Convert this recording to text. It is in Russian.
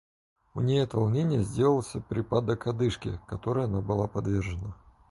У ней от волнения сделался припадок одышки, которой она была подвержена.